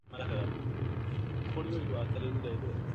They do not have the need to create genetically new forms either.